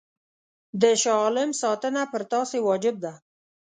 د شاه عالم ساتنه پر تاسي واجب ده.